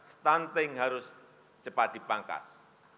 stunting harus cepat dibangkas